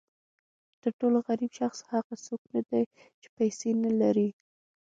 تر ټولو غریب شخص هغه څوک نه دی چې پیسې نه لري.